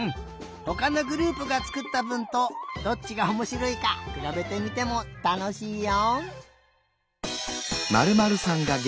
ほかのグループがつくったぶんとどっちがおもしろいかくらべてみてもたのしいよ。